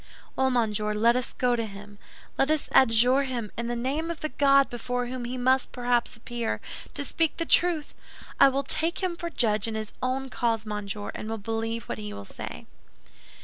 "Well, monsieur, let us go to him. Let us adjure him, in the name of the God before whom he must perhaps appear, to speak the truth. I will take him for judge in his own cause, monsieur, and will believe what he will say."